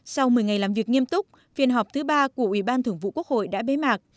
sau một mươi ngày làm việc nghiêm túc phiên họp thứ ba của ủy ban thưởng vụ quốc hội đã bế mạc